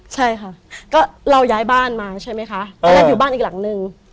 ใช่ค่ะก็เราย้ายบ้านมาใช่ไหมคะตอนแรกอยู่บ้านอีกหลังนึง